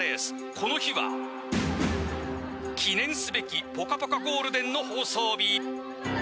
この日は、記念すべき「ぽかぽかゴールデン」の放送日。